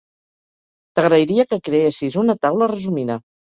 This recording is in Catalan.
T'agrairia que creessis una taula resumida.